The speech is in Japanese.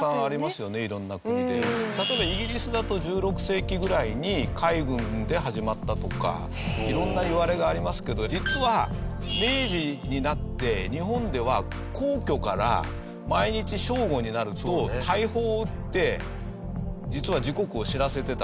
例えばイギリスだと１６世紀ぐらいに海軍で始まったとか色んないわれがありますけど実は明治になって日本では皇居から毎日正午になると大砲を撃って実は時刻を知らせてた。